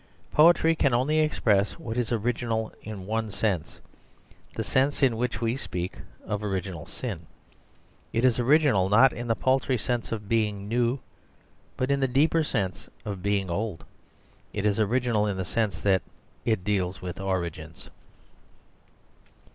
Poetry can only express what is original in one sense the sense in which we speak of original sin. It is original, not in the paltry sense of being new, but in the deeper sense of being old; it is original in the sense that it deals with origins.